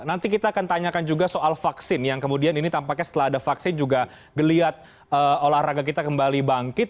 nanti kita akan tanyakan juga soal vaksin yang kemudian ini tampaknya setelah ada vaksin juga geliat olahraga kita kembali bangkit